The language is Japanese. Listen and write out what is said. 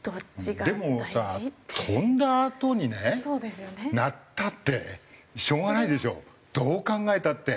でもさ飛んだあとにね鳴ったってしょうがないでしょどう考えたって。